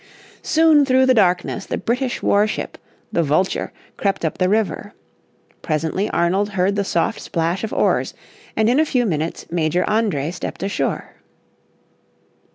Soon through the darkness the British warship, the Vulture, crept up the river. Presently Arnold heard the soft splash of oars, and in a few minutes Major André stepped ashore.